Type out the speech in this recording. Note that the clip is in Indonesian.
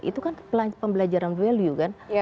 itu kan pembelajaran value kan